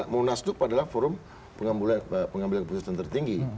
munaslup adalah forum pengambilan keputusan tertinggi